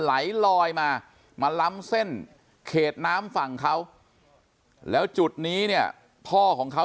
ไหลลอยมามาล้ำเส้นเขตน้ำฝั่งเขาแล้วจุดนี้เนี่ยพ่อของเขา